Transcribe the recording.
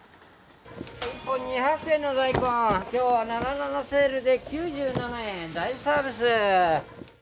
１本２００円の大根、きょうは７７セールで９７円、大サービス。